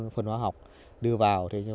phân hóa học đưa vào